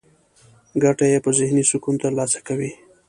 ګټه يې په ذهني سکون ترلاسه کوي.